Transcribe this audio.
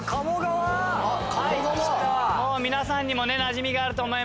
もう皆さんにもなじみがあると思います。